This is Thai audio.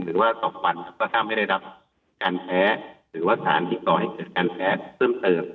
หรือว่าสองวันแล้วก็ถ้าไม่ได้รับการแพ้หรือว่าสารติดต่อให้เกิดการแพ้เติม